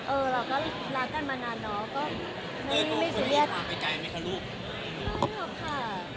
เออเราก็รักกันมานานเนอะ